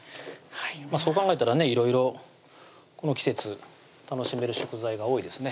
そう考えたらねいろいろこの季節楽しめる食材が多いですね